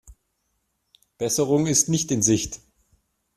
Besserung ist nicht in Sicht.